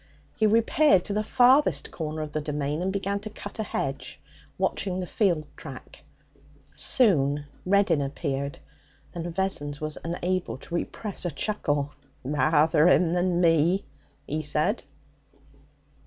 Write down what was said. He repaired to the farthest corner of the domain and began to cut a hedge, watching the field track. Soon Reddin appeared, and Vessons was unable to repress a chuckle. 'Rather 'im than me!' he said.